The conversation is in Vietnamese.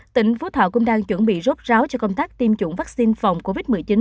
tỉnh phú thọ cũng đang chuẩn bị rốt ráo cho công tác tiêm chủng vaccine phòng covid một mươi chín